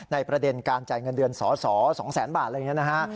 ประเด็นการจ่ายเงินเดือนสอสอ๒แสนบาทอะไรอย่างนี้นะฮะ